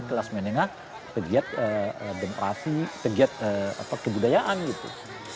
kelas menengah kegiat demokrasi kegiat kebudayaan gitu